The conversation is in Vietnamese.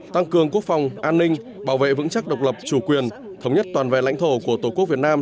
tăng cường quốc phòng an ninh bảo vệ vững chắc độc lập chủ quyền thống nhất toàn vẹn lãnh thổ của tổ quốc việt nam